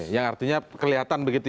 yang artinya kelihatan begitu